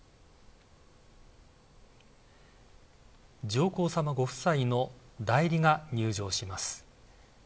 上皇さまご夫妻の代理が入場します。